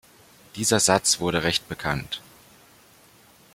Dieser Satz wurde recht bekannt.